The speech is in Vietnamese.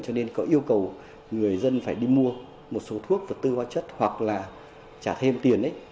cho nên có yêu cầu người dân phải đi mua một số thuốc vật tư hóa chất hoặc là trả thêm tiền